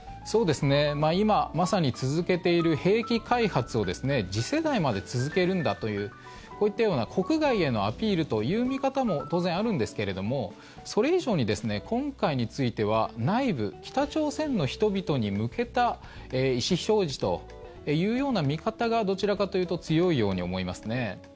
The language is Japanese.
今、まさに続けている兵器開発を次世代まで続けるんだというこういったような国外へのアピールという見方も当然あるんですけれどもそれ以上に今回については内部、北朝鮮の人々に向けた意思表示というような見方がどちらかというと強いように思いますね。